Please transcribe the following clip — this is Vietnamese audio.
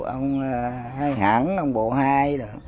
ông hải hẳn ông bộ hai